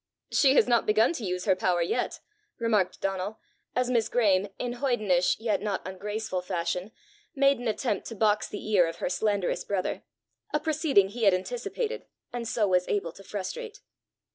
"She has not begun to use her power yet!" remarked Donal, as Miss Graeme, in hoydenish yet not ungraceful fashion, made an attempt to box the ear of her slanderous brother a proceeding he had anticipated, and so was able to frustrate.